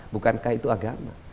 bukankah itu agama